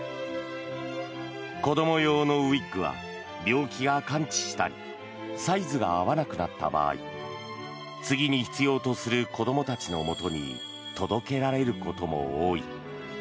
子ども用のウィッグは病気が完治したりサイズが合わなくなった場合次に必要とする子どもたちのもとに届けられることも多い。